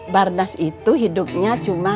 barnas itu hidupnya cucu emak